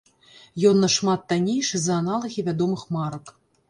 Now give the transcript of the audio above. Ён нашмат таннейшы за аналагі вядомых марак.